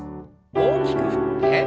大きく振って。